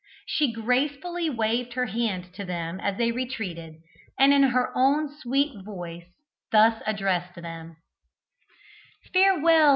She gracefully waved her hand to them as they retreated, and in her own sweet voice thus addressed them: "Farewell!